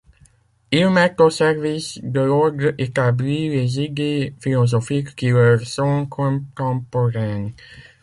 Ils mettent au service de l’ordre établi les idées philosophiques qui leur sont contemporaines.